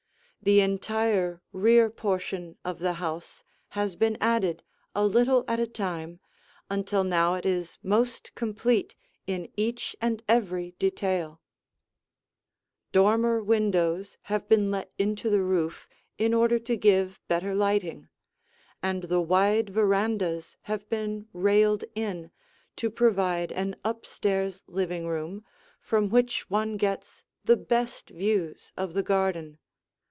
The entire rear portion of the house has been added a little at a time, until now it is most complete in each and every detail. [Illustration: The Front of the House] [Illustration: The House from the Terrace] Dormer windows have been let into the roof in order to give better lighting, and the wide verandas have been railed in, to provide an up stairs living room, from which one gets the best views of the garden.